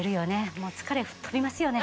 もう疲れ吹っ飛びますよね。